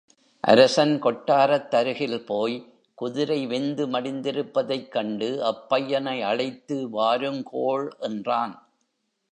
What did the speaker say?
அரசன் கொட்டாரத்தருகில் போய் குதிரை வெந்து மடிந்திருப்பதைக் கண்டு அப்பையனை அழைத்து வாருங்கோள் என்றான்.